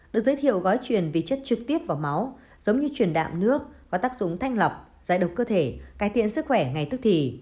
được giới thiệu gói truyền vì chất trực tiếp vào máu giống như truyền đạm nước có tác dụng thanh lọc giải độc cơ thể cải thiện sức khỏe ngày tức thì